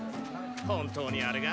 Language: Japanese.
・本当にあれが？